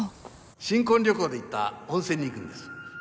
新婚旅行で行った温泉に行くんです